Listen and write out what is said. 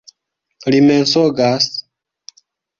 Li mensogas!